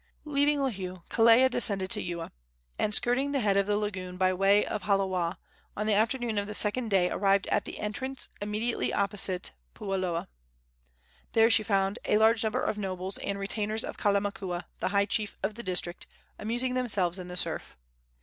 Leaving Lihue, Kelea descended to Ewa, and, skirting the head of the lagoon by way of Halawa, on the afternoon of the second day arrived at the entrance, immediately opposite Puualoa. There she found a large number of nobles and retainers of Kalamakua, the high chief of the district, amusing themselves in the surf.